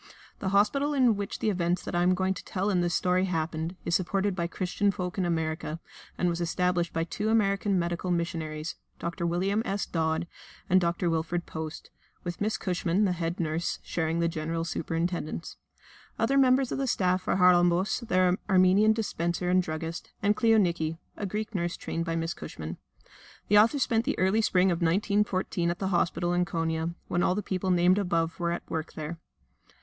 The hospital in which the events that I am going to tell in this story happened is supported by Christian folk in America, and was established by two American medical missionaries, Dr. William S. Dodd, and Dr. Wilfred Post, with Miss Cushman, the head nurse, sharing the general superintendence: other members of the staff are Haralambos, their Armenian dispenser and druggist, and Kleoniki, a Greek nurse trained by Miss Cushman. The author spent the early spring of 1914 at the hospital in Konia, when all the people named above were at work there.